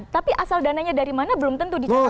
tapi asal dananya dari mana belum tentu dicatat